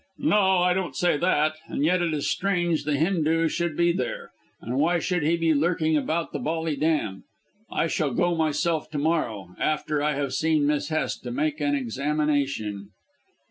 "No, I don't say that. And yet it is strange the Hindoo should be there. And why should he be lurking about the Bolly Dam? I shall go myself to morrow, after I have seen Miss Hest, to make an examination."